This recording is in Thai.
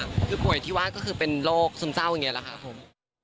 คือป่วยที่ว่าก็คือเป็นโรคซึมเศร้าอย่างนี้แหละค่ะผม